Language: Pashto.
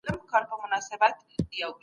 تاسي مجنونانو خو